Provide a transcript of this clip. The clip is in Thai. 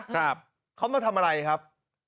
ครับเขามาทำอะไรครับ